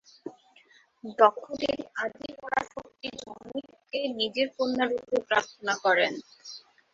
দক্ষ দেবী আদি পরাশক্তি জননী কে নিজের কন্যা রূপে প্রার্থনা করেন।